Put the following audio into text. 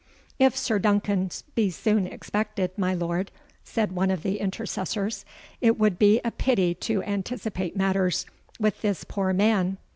"If Sir Duncan be soon expected, my Lord," said one of the intercessors, "it would be a pity to anticipate matters with this poor man."